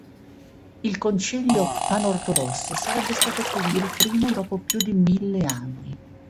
Il concilio pan-ortodosso sarebbe stato quindi il primo dopo più di mille anni.